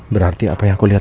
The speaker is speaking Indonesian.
berarti apa yang aku lihat